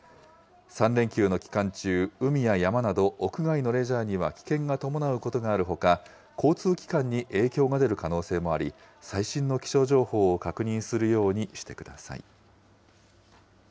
３連休の期間中、海や山など屋外のレジャーには危険が伴うことがあるほか、交通機関に影響が出る可能性もあり、最新の気象情報を確認するようにしてください。